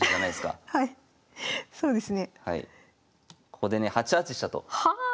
ここでね８八飛車と。